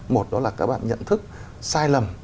một là các bạn nhận thức sai lầm